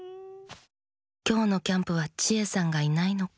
「きょうのキャンプはチエさんがいないのか。